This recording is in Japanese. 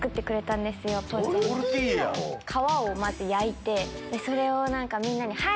皮を焼いてそれをみんなにはい！